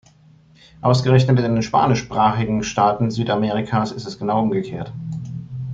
Ausgerechnet in den spanischsprachigen Staaten Südamerikas ist es genau umgekehrt.